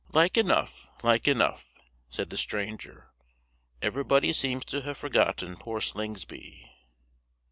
] "Like enough, like enough," said the stranger; "everybody seems to have forgotten poor Slingsby?"